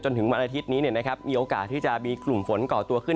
ถึงวันอาทิตย์นี้มีโอกาสที่จะมีกลุ่มฝนก่อตัวขึ้น